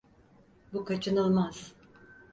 Bu kaçınılmaz.